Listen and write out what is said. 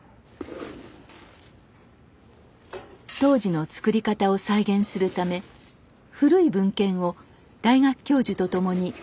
当時のつくり方を再現するため古い文献を大学教授と共に解読。